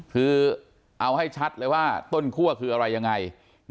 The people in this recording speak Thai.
คือเอาให้ชัดเลยว่าต้นคั่วคืออะไรยังไง